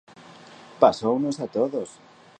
Pasounos a todos.